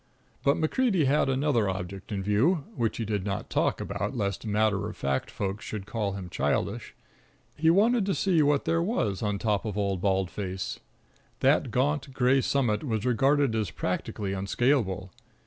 But MacCreedy had another object in view, which he did not talk about lest matter of fact folk should call him childish. He wanted to see what there was on top of Old Bald Face. That gaunt gray summit was regarded as practically unscalable.